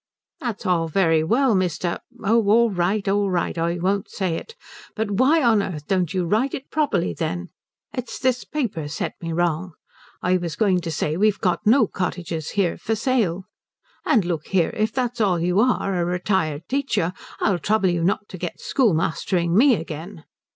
"That's all very well, Mr. oh all right, all right, I won't say it. But why on earth don't you write it properly, then? It's this paper's set me wrong. I was going to say we've got no cottages here for sale. And look here, if that's all you are, a retired teacher, I'll trouble you not to get schoolmastering me again."